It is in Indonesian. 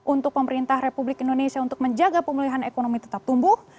untuk pemerintah republik indonesia untuk menjaga pemulihan ekonomi tetap tumbuh